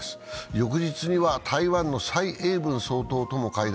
翌日には台湾の蔡英文総統とも会談。